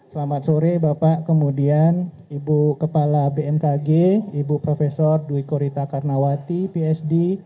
selamat sore bapak kemudian ibu kepala bmkg ibu prof dwi korita karnawati psd